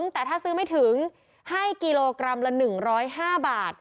แต่ถ้าซื้อไม่ถึงให้กิโลกรัมละ๑๐๕บาท